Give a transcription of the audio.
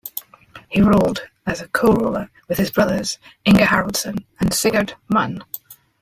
He ruled as co-ruler with his brothers, Inge Haraldsson and Sigurd Munn.